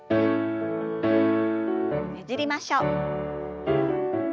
ねじりましょう。